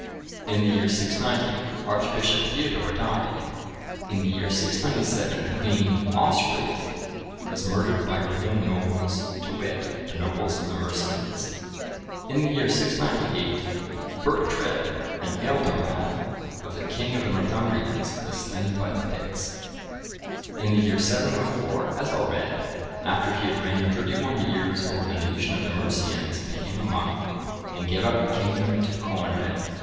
[V, 7.] In the year 690, Archbishop Theodore died. [V, 8.] In the year 697, Queen Osthryth was murdered by her own nobles, to wit, the nobles of the Mercians.(1037) In the year 698, Berctred, an ealdorman of the king of the Northumbrians, was slain by the Picts.(1038) In the year 704, Ethelred, after he had reigned thirty one years over the nation of the Mercians, became a monk, and gave up the kingdom to Coenred.